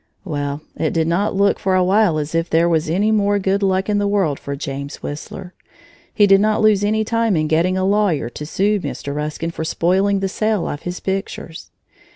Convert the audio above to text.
Well, it did not look for a while as if there was any more good luck in the world for James Whistler. He did not lose any time in getting a lawyer to sue Mr. Ruskin for spoiling the sale of his pictures.